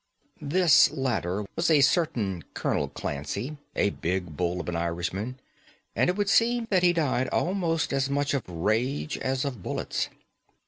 This latter was a certain Colonel Clancy, a big bull of an Irishman; and it would seem that he died almost as much of rage as of bullets.